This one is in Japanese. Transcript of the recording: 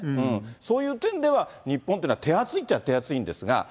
そういう点では、日本というのは手厚いっていえば手厚いんですが。